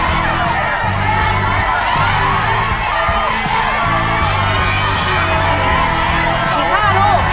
อีกห้ารูยายเร็วเร็วเร็วอีกสองลูก